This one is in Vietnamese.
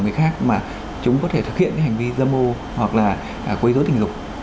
người khác mà chúng có thể thực hiện hành vi dâm mô hoặc là quấy dối tình dục